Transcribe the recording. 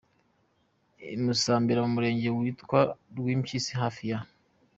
i Musambira ku murenge witwa Rwimpyisi hafi ya